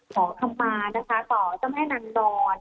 ขอคำมานะคะต่อเจ้าแม่นางนอน